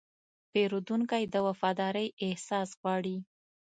پیرودونکی د وفادارۍ احساس غواړي.